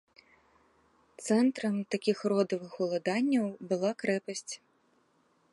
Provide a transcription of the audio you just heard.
Цэнтрам такіх родавых уладанняў была крэпасць.